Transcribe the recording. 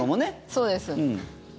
そうです。